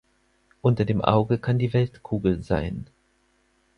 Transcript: Unter dem Auge kann die Weltkugel sein.